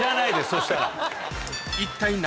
そしたら。